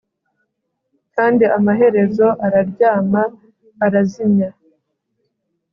kandi amaherezo araryama arazimya